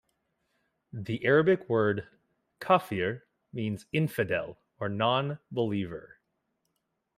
The Arabic word "kafir" means infidel or non-believer.